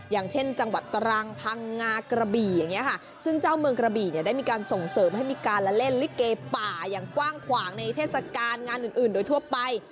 อย่างเช่นจังหวัดตรังพังงากระบี่อย่างนี้ค่ะซึ่งเจ้าเมืองกระบี่เนี่ยได้มีการส่งเสริมให้มีการละเล่นลิเกป่าอย่างกว้างขวางในเทศกาลงานอื่นอื่นโดยทั่วไป